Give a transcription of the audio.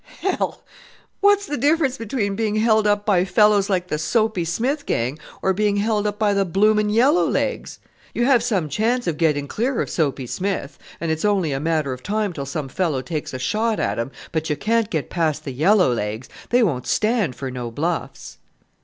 Hell! What's the difference between being held up by fellows like the Soapy Smith gang, or being held up by the blooming yellow legs? You have some chance of getting clear of Soapy Smith and it's only a matter of time till some fellow takes a shot at him; but you can't get past the yellow legs: they won't stand for no bluffs."